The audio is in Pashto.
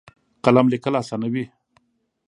قلم لیکل اسانوي.